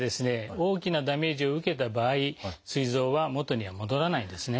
大きなダメージを受けた場合すい臓は元には戻らないんですね。